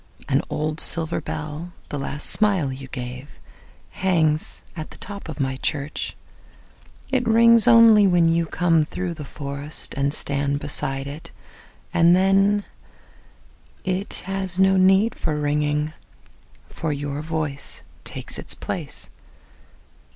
An old silver bell, the last smile you gave, Hangs at the top of my church.It rings only when you come through the forestAnd stand beside it. And then, it has no need for ringing, For your voice takes its place.